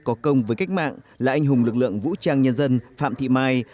có công với cách mạng là anh hùng lực lượng vũ trang nhân dân phạm thị mai